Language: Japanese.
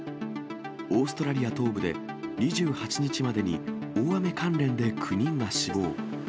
オーストラリア東部で、２８日までに大雨関連で９人が死亡。